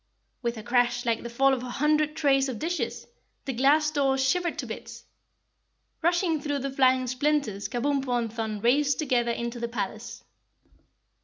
With a crash like the fall of a hundred trays of dishes, the glass doors shivered to bits. Rushing through the flying splinters, Kabumpo and Thun raced together into the palace.